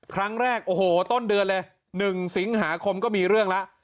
เขาบอกโอ้โหต้นเดือนเลย๑สิงหาคมก็มีเรื่องแล้ว